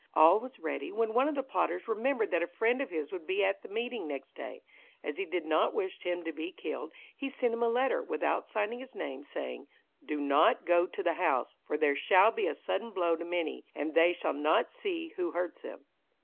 All was ready, when one of the plotters remembered that a friend of his would be at the meeting next day. As he did not wish him to be killed, he sent him a letter, without signing his name, saying: "Do not go to the House, for there shall be a sudden blow to many, and they shall not see who hurts them".